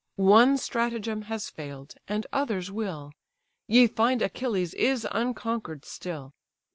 One stratagem has fail'd, and others will: Ye find, Achilles is unconquer'd still.